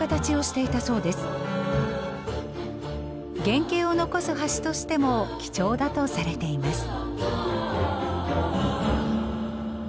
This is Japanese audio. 原形を残す橋としても貴重だとされています。